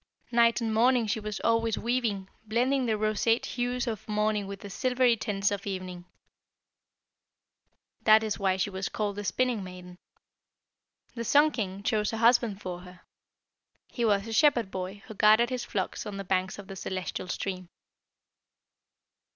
Night and morning she was always weaving, blending the roseate hues of morning with the silvery tints of evening. That is why she was called the Spinning maiden. The Sun king chose a husband for her. He was a Shepherd boy who guarded his flocks on the banks of the celestial stream.